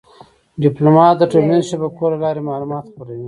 ډيپلومات د ټولنیزو شبکو له لارې معلومات خپروي.